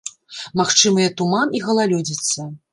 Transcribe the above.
Магчымыя туман і галалёдзіца.